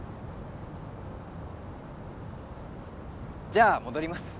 じゃあ戻ります。